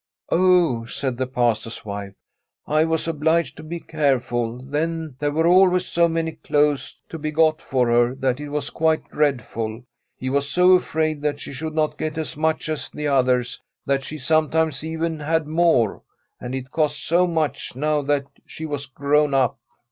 Oh I ' said the Pastor's wife, ' I was obliged to be careful. There were always so many clothes to be got for her, that it was quite dread ful. He was so afraid that she should not get as much as the others that she sometimes even had more. And it cost so much, now that she was grown up.'